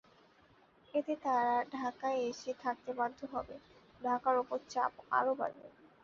এতে তারা ঢাকায় এসে থাকতে বাধ্য হবে, ঢাকার ওপর চাপ আরও বাড়বে।